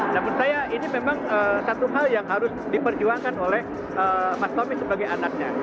namun saya ini memang satu hal yang harus diperjuangkan oleh mas tommy sebagai anaknya